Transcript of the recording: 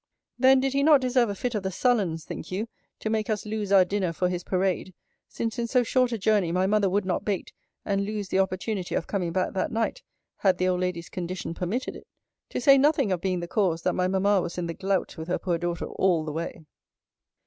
Then did he not deserve a fit of the sullens, think you, to make us lose our dinner for his parade, since in so short a journey my mother would not bait, and lose the opportunity of coming back that night, had the old lady's condition permitted it? To say nothing of being the cause, that my mamma was in the glout with her poor daughter all the way.